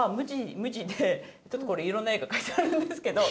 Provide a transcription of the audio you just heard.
ちょっとこれ色んな絵が描いてあるんですけど。